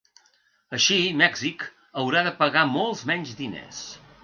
Així, Mèxic haurà de pagar molts menys diners.